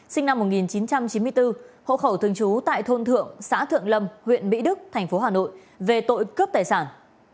sinh năm một nghìn chín trăm chín mươi bốn hộ khẩu thường trú tại thôn thượng xã thượng lâm huyện mỹ đức thành phố hà nội về tội cướp tài sản